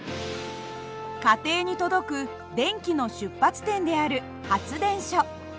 家庭に届く電気の出発点である発電所。